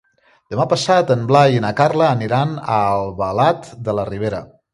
Demà passat en Blai i na Carla aniran a Albalat de la Ribera.